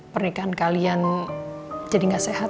pernikahan kalian jadi gak sehat